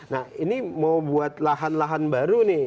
nah ini mau buat lahan lahan baru nih